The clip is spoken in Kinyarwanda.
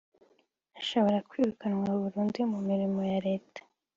ashobora kwirukanwa burundu mu mirimo ya Leta